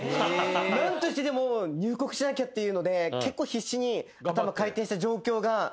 何としてでも入国しなきゃっていうので結構必死に頭回転した状況がすごい蘇ってきて。